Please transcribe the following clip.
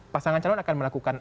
pasangan calon akan melakukan